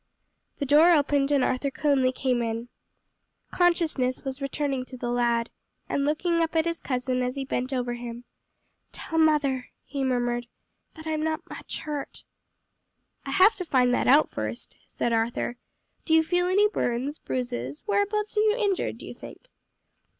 The door opened and Arthur Conly came in. Consciousness was returning to the lad, and looking up at his cousin as he bent over him, "Tell mother," he murmured, "that I'm not much hurt." "I have to find that out, first," said Arthur. "Do you feel any burns, bruises? whereabouts are you injured, do you think?"